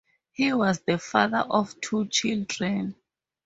He was the father of two children.